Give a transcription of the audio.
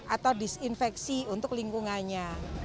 atau disinfeksi untuk lingkungannya